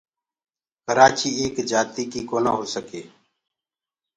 ڪرآچيٚ ايڪ جآتيٚ ڪيٚ ڪونآ هو سڪي